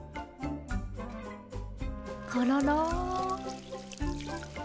コロロ。